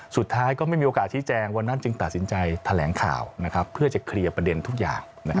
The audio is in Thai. สุดท้ายก็ไม่มีโอกาสชี้แจงวันนั้นจึงตัดสินใจแถลงข่าวเพื่อจะเคลียร์ประเด็นทุกอย่าง